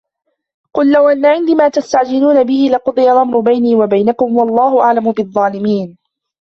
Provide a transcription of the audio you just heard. قل لو أن عندي ما تستعجلون به لقضي الأمر بيني وبينكم والله أعلم بالظالمين